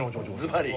ずばり。